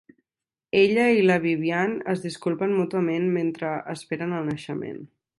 Ella i la Viviane es disculpen mútuament mentre esperen el naixement.